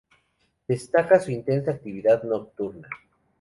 Destaca su intensa actividad nocturna.